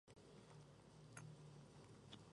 En el caso de los huracanes, su resistencia es más alta.